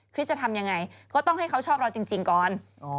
จะทำยังไงก็ต้องให้เขาชอบเราจริงก่อน